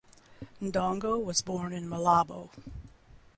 Ndongo was born in Malabo.